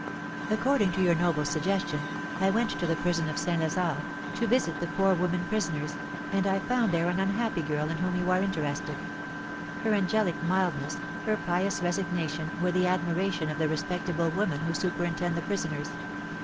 According to your noble suggestion, I went to the prison of St. Lazare, to visit the poor women prisoners, and I found there an unhappy girl in whom you are interested. Her angelic mildness, her pious resignation, were the admiration of the respectable women who superintend the prisoners.